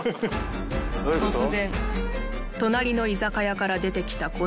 突然隣の居酒屋から出て来た